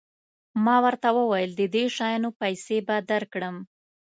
ما ورته وویل د دې شیانو پیسې به درکړم.